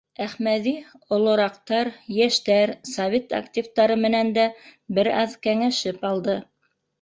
Әхмәҙи олораҡтар, йәштәр, совет активтары менән дә бер аҙ кәңәшеп алды.